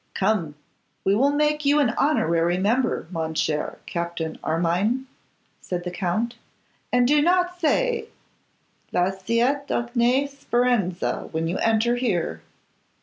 'Come, we will make you an honorary member, mon cher Captain Armine,' said the Count; 'and do not say Lasciate ogni speranza when you enter here.